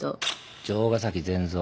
城ヶ崎善三。